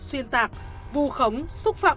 xuyên tạc vù khống xúc phạm